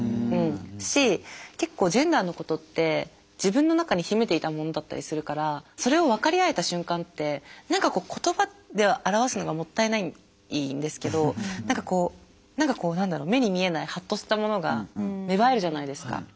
し結構ジェンダーのことって自分の中に秘めていたものだったりするからそれを分かり合えた瞬間って何かこう言葉では表すのがもったいないんですけど何かこう何だろう目に見えないハッとしたものが芽生えるじゃないですか。